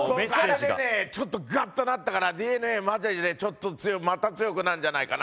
あれでねちょっとガッ！となったからＤｅＮＡマジでちょっとまた強くなるんじゃないかな。